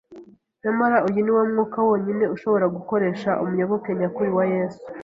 Nyamara uyu ni wo mwuka wonyine ushobora gukoresha umuyoboke nyakuri wa Yesu.